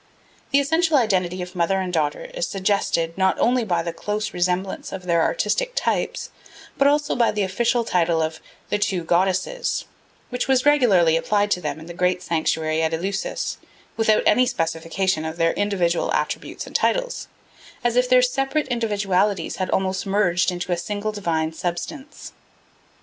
The essential identity of mother and daughter is suggested, not only by the close resemblance of their artistic types, but also by the official title of "the Two Goddesses" which was regularly applied to them in the great sanctuary at Eleusis without any specification of their individual attributes and titles, as if their separate individualities had almost merged in a single divine substance.